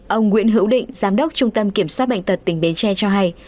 ông nguyễn hữu định giám đốc trung tâm kiểm soát bệnh tật tỉnh bến tre cho hay